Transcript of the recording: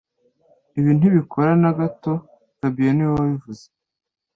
Ibi ntibikora na gato fabien niwe wabivuze